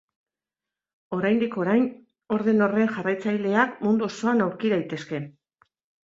Oraindik-orain orden horren jarraitzaileak mundu osoan aurki daitezke.